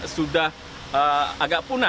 sudah agak punah